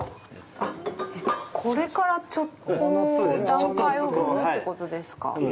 あっ、これからちょっと段階を踏むということですか。